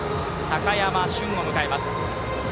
高山俊を迎えます。